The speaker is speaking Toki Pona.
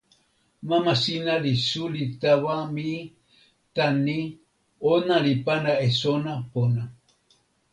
mama sina li suli tawa mi tan ni: ona li pana e sona pona.